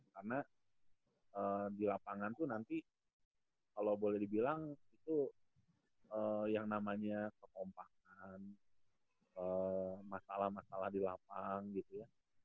karena di lapangan tuh nanti kalau boleh dibilang itu yang namanya ketompakan masalah masalah di lapang gitu ya